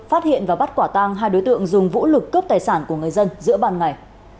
phát hiện và bắt quả tang hai đối tượng dùng vũ lực cướp tài sản của người dân giữa ban ngày